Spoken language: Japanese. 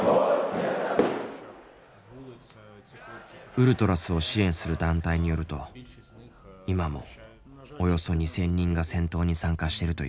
ウルトラスを支援する団体によると今もおよそ２，０００人が戦闘に参加しているという。